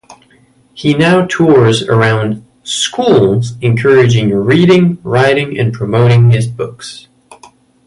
He now tours around schools encouraging reading, writing and promoting his books.